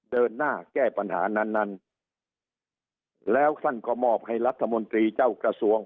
เดินหน้าแก้ปัญหานั้นนั้นแล้วท่านก็มอบให้รัฐมนตรีเจ้ากระทรวง